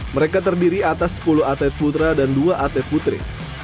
mereka terdiri atas sepuluh atlet putra dan dua atlet putri